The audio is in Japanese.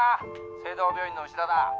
誠同病院の牛田だ」